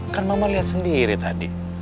kan mama lihat sendiri tadi